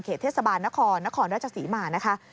เทศบาลนครนครราชศรีมานะคะ